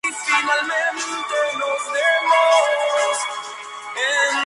Antiguamente esta semilla se encontraba a menudo en las cubiertas de los barcos.